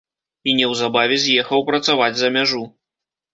І неўзабаве з'ехаў працаваць за мяжу.